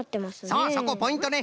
そうそこポイントね。